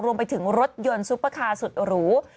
รวมถึงรถยนต์ซุปเปอร์คาร์สุดหรู